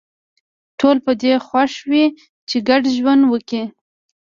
ټول په دې خوښ وي چې ګډ ژوند وکړي